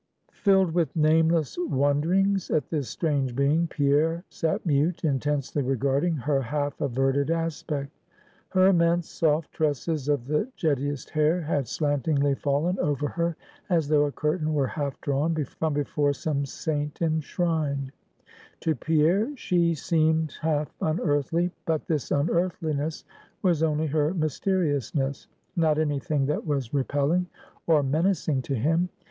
Filled with nameless wonderings at this strange being, Pierre sat mute, intensely regarding her half averted aspect. Her immense soft tresses of the jettiest hair had slantingly fallen over her as though a curtain were half drawn from before some saint enshrined. To Pierre, she seemed half unearthly; but this unearthliness was only her mysteriousness, not any thing that was repelling or menacing to him.